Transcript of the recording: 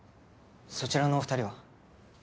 そちらのお２人は？